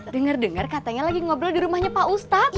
dengar dengar katanya lagi ngobrol di rumahnya pak ustadz